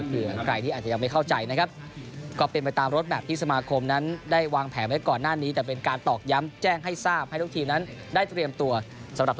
เพื่อใครที่อาจจะยังไม่เข้าใจนะครับ